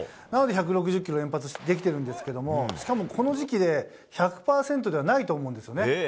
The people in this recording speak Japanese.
なので１６０キロ連発できてるんですけどしかも、この時期で１００％ではないと思うんですよね。